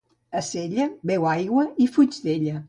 A Sella beu aigua i fuig d'ella